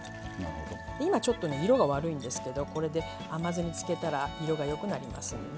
今ちょっとね色が悪いんですけどこれで甘酢に漬けたら色が良くなりますんでね。